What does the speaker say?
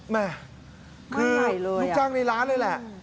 แม่คือลูกจ้างในร้านเลยแหละ